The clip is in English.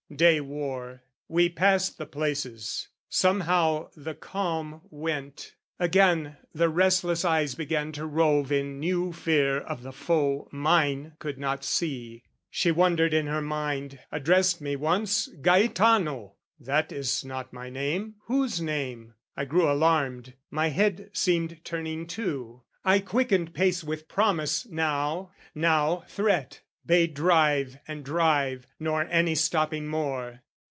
Day wore, We passed the places, somehow the calm went, Again the restless eyes began to rove In new fear of the foe mine could not see: She wandered in her mind, addressed me once "Gaetano!" that is not my name: whose name? I grew alarmed, my head seemed turning too: I quickened pace with promise now, now threat: Bade drive and drive, nor any stopping more.